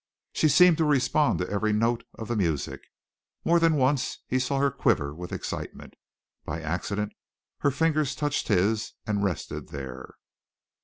She seemed to respond to every note of the music. More than once he saw her quiver with excitement. By accident her fingers touched his and rested there.